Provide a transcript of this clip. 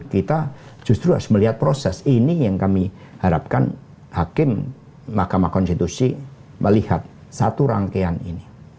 kita justru harus melihat proses ini yang kami harapkan hakim mahkamah konstitusi melihat satu rangkaian ini